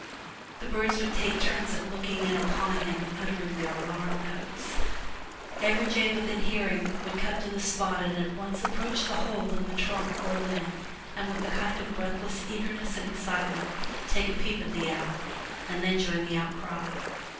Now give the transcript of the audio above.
The birds would take turns at looking in upon him and uttering their alarm notes. Every jay within hearing would come to the spot and at once approach the hole in the trunk or limb, and with a kind of breathless eagerness and excitement 256 FROM THE TOWER WINDOW take a peep at the owl, and then join the outcry.